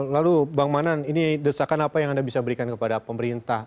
lalu bang manan ini desakan apa yang anda bisa berikan kepada pemerintah